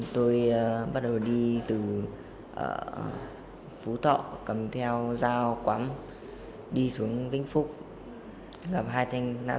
tôi bắt đầu đi từ phú thọ cầm theo dao quắm đi xuống vĩnh phúc gặp hai thanh niên